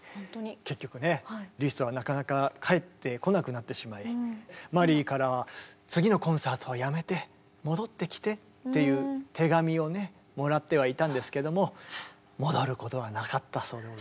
結局ねリストはなかなか帰ってこなくなってしまいマリーからは「次のコンサートはやめて戻ってきて」っていう手紙をねもらってはいたんですけども戻ることはなかったそうでございますね。